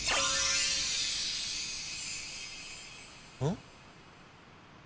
ん？